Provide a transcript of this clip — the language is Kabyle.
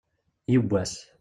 Yiwen n wass.